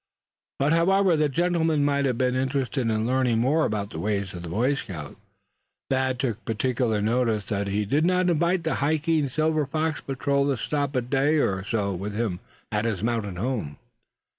But however the gentleman might have been interested in learning more about the ways of Boy Scouts, Thad took particular notice that he did not invite the hiking Silver Fox Patrol to stop a day or so with him at his mountain home.